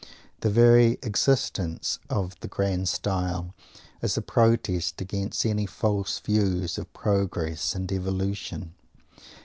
The very existence of the "grand style" is a protest against any false views of "progress" and "evolution."